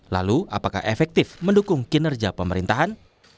lalu apakah efektif mendukung kinerja pemerintahan